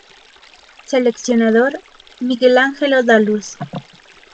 Seleccionador: Miguel Ângelo da Luz.